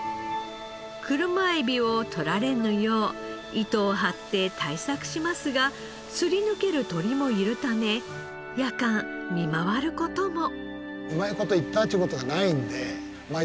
車エビを取られぬよう糸を張って対策しますがすり抜ける鳥もいるため夜間見回る事も。